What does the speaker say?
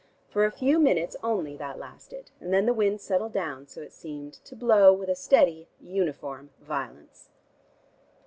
For a few minutes only that lasted, and then the wind settled down, so it seemed, to blow with a steady uniform violence.